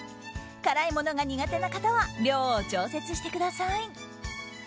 辛いものが苦手な方は量を調節してください。